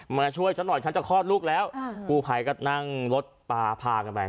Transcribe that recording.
มาช่วยฉันหน่อยฉันจะคลอดลูกแล้วกู้ภัยก็นั่งรถปลาพากันไป